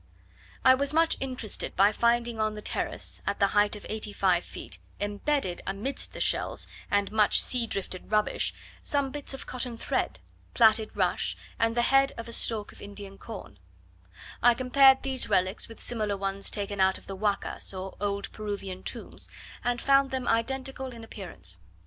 I was much interested by finding on the terrace, at the height of eighty five feet, embedded amidst the shells and much sea drifted rubbish, some bits of cotton thread, plaited rush, and the head of a stalk of Indian corn: I compared these relics with similar ones taken out of the Huacas, or old Peruvian tombs, and found them identical in appearance.